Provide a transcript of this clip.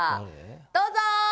どうぞ！